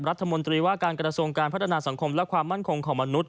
รัฐมนตรีว่าการกระทรวงการพัฒนาสังคมและความมั่นคงของมนุษย